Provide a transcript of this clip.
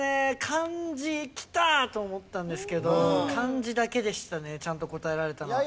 漢字きた！と思ったんですけど漢字だけでしたねちゃんと答えられたのは。